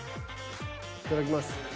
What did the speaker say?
いただきます。